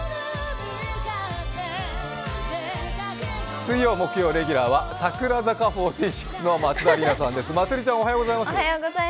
水曜、木曜レギュラーは櫻坂４６の松田里奈さんです。